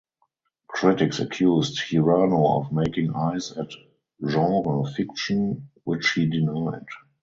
Critics accused Hirano of "making eyes at genre fiction" which he denied.